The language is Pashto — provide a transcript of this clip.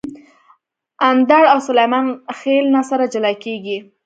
اندړ او سلیمان خېل نه سره جلاکیږي